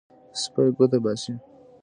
سپی ګوته باسي.